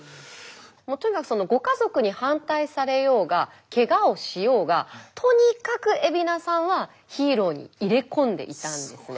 もうとにかくご家族に反対されようがケガをしようがとにかく海老名さんはヒーローに入れ込んでいたんですね。